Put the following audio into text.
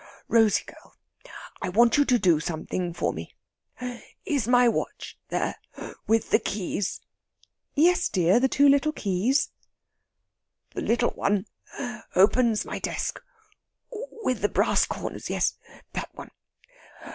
Rosey girl, I want you to do something for me.... Is my watch there, with the keys?" "Yes, dear; the two little keys." "The little one opens my desk ... with the brass corners.... Yes, that one....